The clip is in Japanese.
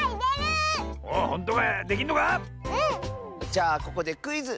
じゃあここでクイズ！